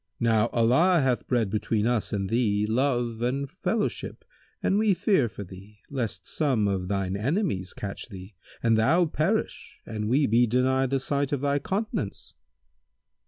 Now Allah hath bred between us and thee love and fellowship and we fear for thee, lest some of thine enemies catch thee and thou perish and we be denied the sight of thy countenance."